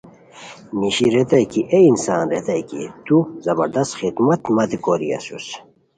نیشی ریتائے کی اے انسان ریتائے کی تو زبردست خدمت متے کوری اسوس